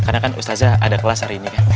karena kan ustazah ada kelas hari ini kan